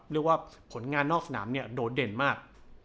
เรียกว่าผลงานนอกสนามเนี่ยโดดเด่นมาก